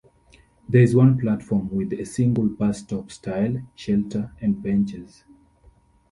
There is one platform with a single bus-stop style shelter and benches.